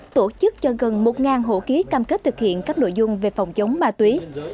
tổ chức cho gần một hộ ký cam kết thực hiện các nội dung về phòng chống ma túy